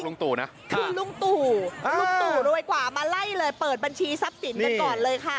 รุ่งตูรวยกว่ามาไล่เลยเปิดบัญชีทรัพย์สินกันก่อนเลย